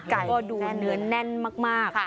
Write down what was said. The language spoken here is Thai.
ก็ดูเนื้อแน่นมาก